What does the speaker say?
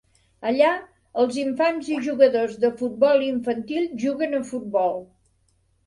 Allà, els infants i jugadors de futbol infantil juguen a futbol.